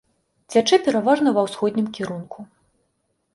Цячэ пераважна ва ўсходнім кірунку.